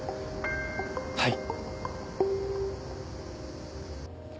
はい。